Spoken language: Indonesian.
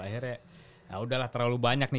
akhirnya udahlah terlalu banyak nih